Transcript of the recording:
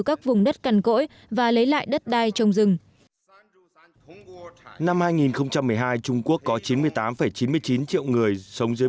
các vùng đất cằn cỗi và lấy lại đất đai trồng rừng năm hai nghìn một mươi hai trung quốc có chín mươi tám chín mươi chín triệu người sống dưới